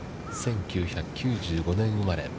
１９９５年生まれ。